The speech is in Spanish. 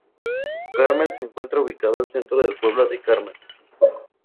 Carmel se encuentra ubicado dentro del pueblo de Carmel.